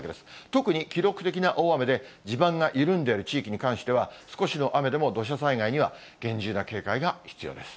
特に記録的な大雨で、地盤が緩んでいる地域では少しの雨でも土砂災害には厳重な警戒が必要です。